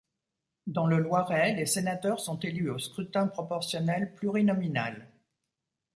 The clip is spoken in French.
Dans le Loiret, les sénateurs sont élus au scrutin proportionnel plurinominal.